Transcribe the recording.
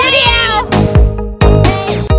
กรุงเทพค่ะ